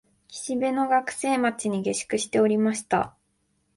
岸辺の学生町に下宿しておりました